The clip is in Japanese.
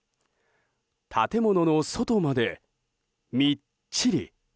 建物の外まで、みっちり。